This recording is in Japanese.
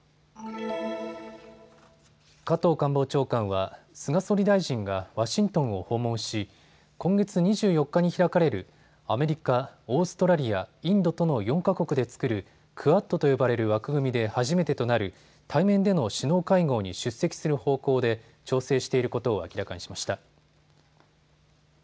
加藤官房長官は菅総理大臣がワシントンを訪問し今月２４日に開かれるアメリカ、オーストラリア、インドとの４か国で作るクアッドと呼ばれる枠組みで初めてとなる対面での首脳会合に出席する方向で調整していることを明らかにしました。